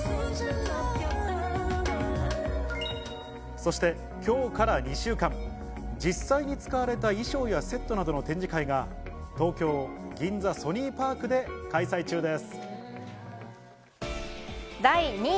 そして今日から２週間、実際に使われた衣装やセットなどの展示会が東京ＧｉｎｚａＳｏｎｙＰａｒｋで開催中です。